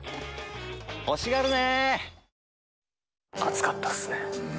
欲しがるね！